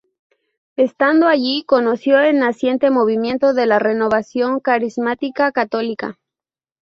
Estando allí conoció el naciente movimiento de la Renovación Carismática Católica.